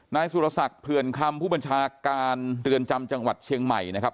นายสุรศักดิ์เผื่อนคำผู้บัญชาการเรือนจำจังหวัดเชียงใหม่นะครับ